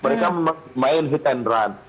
mereka main hit and run